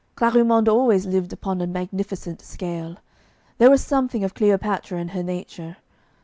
Clarimonde always lived upon a magnificent scale; there was something of Cleopatra in her nature.